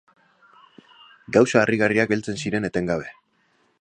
Gauza harrigarriak heltzen ziren etengabe.